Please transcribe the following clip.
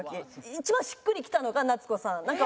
一番しっくりきたのが夏子さん。